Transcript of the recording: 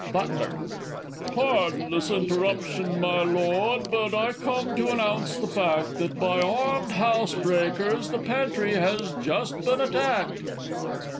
Butler. Pardon this interruption, my Lord, but I come to announce the fact That by armed house breakers the pantry has just been attacked!